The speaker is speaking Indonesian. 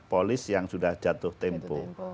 polis yang sudah jatuh tempo